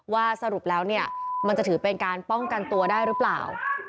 สรุปแล้วเนี่ยมันจะถือเป็นการป้องกันตัวได้หรือเปล่า